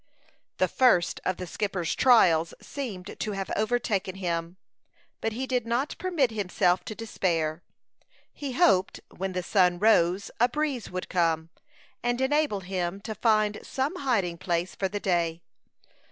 The first of the skipper's trials seemed to have overtaken him; but he did not permit himself to despair. He hoped, when the sun rose, a breeze would come, and enable him to find some hiding place for the day.